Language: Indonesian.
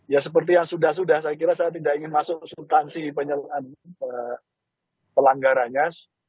ya seperti yang sudah sudah saya kira saya tidak ingin masuk subtansi pelanggarannya